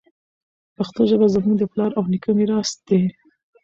پښتو ژبه زموږ د پلار او نیکه میراث دی.